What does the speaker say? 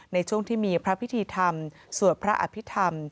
ในช่วงที่มีพระพิธีธรรมสวดพระอภิษฐรรม